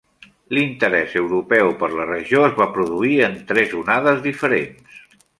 L'interès europeu per la regió es va produir en tres onades diferents.